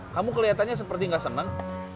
kamu kelihatannya seperti gak senang